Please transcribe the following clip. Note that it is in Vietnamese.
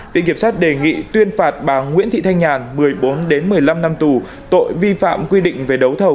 viện kiểm sát đề nghị tuyên phạt bà nguyễn thị thanh nhàn một mươi bốn một mươi năm năm tù tội vi phạm quy định về đấu thầu